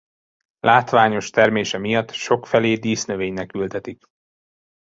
Látványos termése miatt sokfelé dísznövénynek ültetik.